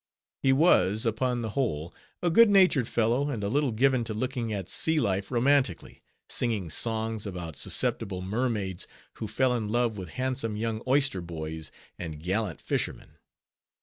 He was, upon the whole, a good natured fellow, and a little given to looking at sea life romantically; singing songs about susceptible mermaids who fell in love with handsome young oyster boys and gallant fishermen.